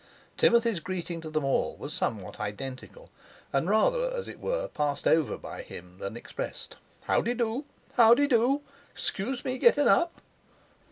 Timothy's greeting to them all was somewhat identical; and rather, as it were, passed over by him than expressed: "How de do? How de do? 'Xcuse me gettin' up!"